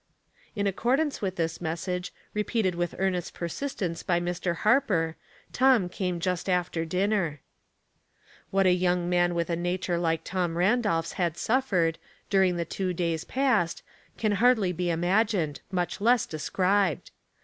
In accordance with this message, repeated with earnest persistence by Mr. Harper, Tom came just after dinner. 828 Household Puzzhi. What a young man with a nature like Tom Randolph's had suffered, during the two days past, can hardly be imagined, much less described.